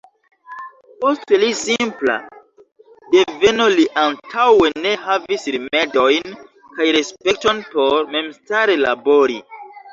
Pro li simpla deveno li antaŭe ne havis rimedojn kaj respekton por memstare labori.